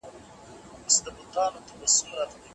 دوی د باطل مخه نيولي ده.